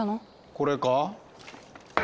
これか？